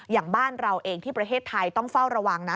อย่างบ้านเราเองที่ประเทศไทยต้องเฝ้าระวังนะ